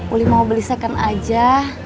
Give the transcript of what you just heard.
udah mau beli second aja